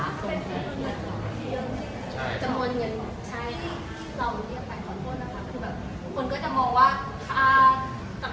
คนก็จะมองว่าต่างของน้องเยอะมาก